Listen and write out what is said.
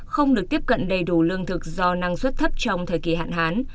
không được tiếp cận đầy đủ lương thực do năng suất thấp trong thời kỳ hạn hán